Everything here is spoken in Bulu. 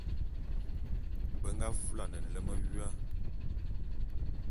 Be nga fulane nlem wua.